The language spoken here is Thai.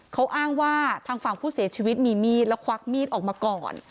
เขาอ้างว่าทางฝั่งผู้เสียชีวิตมีมีดแล้วควักมีดออกมาก่อน